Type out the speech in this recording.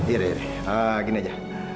ini deh gini aja